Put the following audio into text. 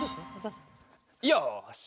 よし！